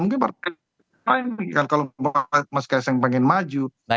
mungkin partai lain kalau mas keseng pengen maju